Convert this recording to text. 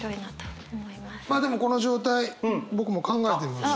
まあでもこの状態僕も考えてみました。